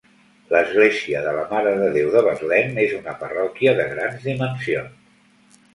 L'església de la Mare de Déu de Betlem és una parròquia de grans dimensions.